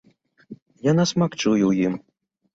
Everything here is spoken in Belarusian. Яна смак чуе ў ім.